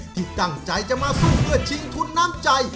ที่ตั้งใจจะมาสู้เพื่อชิงทุนน้ำใจ